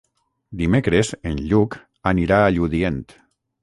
Dimecres en Lluc anirà a Lludient.